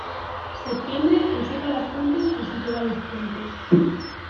Septiembre o seca las fuentes o se lleva los puentes.